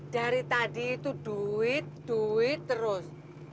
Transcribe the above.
dari tadi itu duit duit terus